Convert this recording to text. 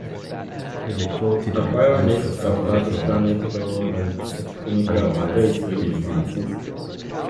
He reportedly also suffered from Alzheimer's disease.